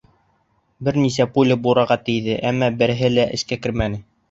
Бер нисә пуля бураға тейҙе, әммә береһе лә эскә кермәне.